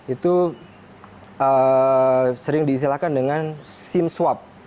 itu sering diisilahkan dengan sim swap